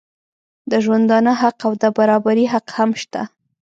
د ژوندانه حق او د برابري حق هم شته.